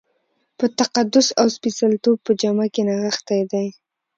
په تقدس او سپېڅلتوب په جامه کې نغښتی دی.